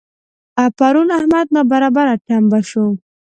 پرون احمد ناببره ټمبه شو.